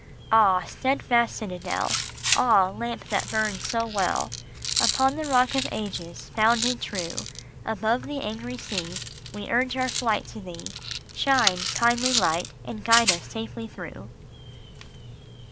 Ah, steadfast citadel ! Ah, lamp that burns so well Upon the Rock of Ages, founded true ! Above the angry sea We urge our flight to thee. Shine, kindly Light, and guide us safely through